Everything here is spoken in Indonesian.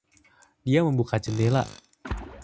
Dia membuka jendela.